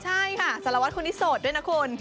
ใช่ค่ะสารวัตรคนนี้โสดด้วยนะคุณ